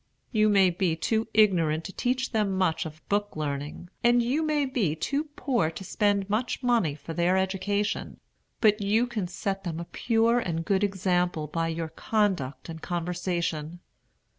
You may be too ignorant to teach them much of book learning, and you may be too poor to spend much money for their education, but you can set them a pure and good example by your conduct and conversation.